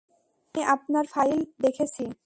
আমি আপনার ফাইল দেখেছি।